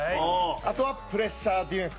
あとはプレッシャーディフェンス。